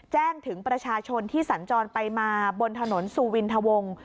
แจ้งถึงประชาชนที่สัญจรไปมาบนถนนสุวินทวง